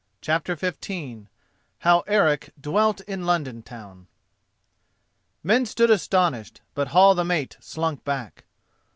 CHAPTER XV HOW ERIC DWELT IN LONDON TOWN Men stood astonished, but Hall the mate slunk back.